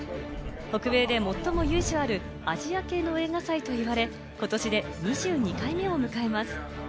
北米で最も由緒あるアジア系の映画祭と言われ、今年で２２回目を迎えます。